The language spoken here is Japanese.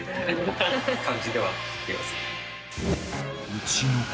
［うちの子］